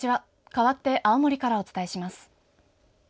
かわって青森からお伝えします。